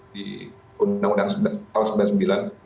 di undang undang tahun seribu sembilan ratus sembilan puluh sembilan